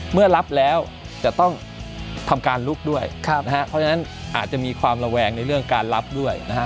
เมื่อรับแล้วจะต้องทำการลุกด้วยเพราะฉะนั้นอาจจะมีความระแวงในเรื่องการรับด้วยนะฮะ